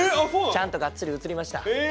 ちゃんとガッツリ映りました。